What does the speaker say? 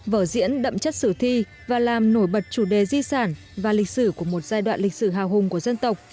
vở diễn đậm chất sử thi và làm nổi bật chủ đề di sản và lịch sử của một giai đoạn lịch sử hào hùng của dân tộc